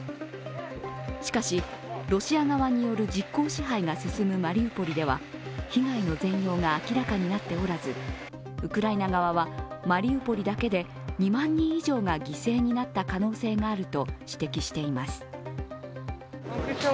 しかし、ロシア側による実効支配が進むマリウポリでは被害の全容が明らかになっておらず、ウクライナ側はマリウポリだけで２万人以上が犠牲になった可能性があると指摘しています。